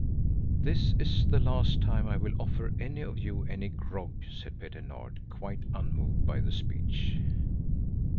"This is the last time I will offer any of you any grog," said Petter Nord, quite unmoved by the speech.